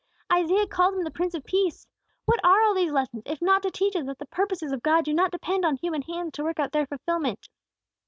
"Isaiah called Him the Prince of Peace. What are all these lessons, if not to teach us that the purposes of God do not depend on human hands to work out their fulfilment?"